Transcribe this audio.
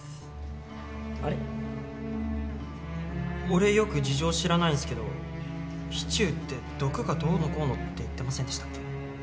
俺よく事情知らないんすけどシチューって毒がどうのこうのって言ってませんでしたっけ？